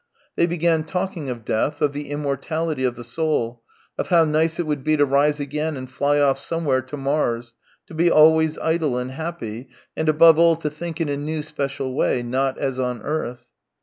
They began talking of death, of the immortality of the soul, of how nice it would be to rise again and fly off somewhere to Mars, to be always idle and happy, and, above all, to think in a new special way, not as on earth.